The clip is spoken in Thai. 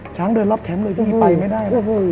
เดินรอบแคมป์เลยพี่ไปไม่ได้เลย